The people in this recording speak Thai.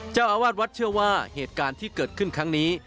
เจ้าอาวาสวัดเชื่อว่าเหตุการณ์ที่เกิดขึ้นครั้งนี้